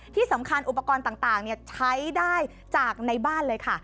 ที่สำคัญอุปกรณ์ต่างใช้ได้จากในบ้านเลยค่ะ